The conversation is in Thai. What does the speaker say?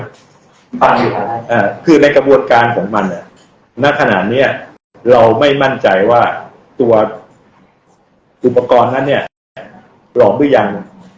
คือในกระบวนการของมันณขนาดนี้เราไม่มั่นใจว่าตัวอุปกรณ์นั้นเนี่ยปลอมหรือยัง